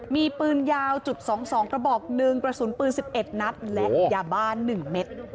มีปืนยาวจุดสองสองกระบอกหนึ่งกระสุนปืนสิบเอ็ดนัดและยาบ้านหนึ่งเม็ด